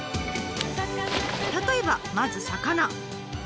例えばまず魚。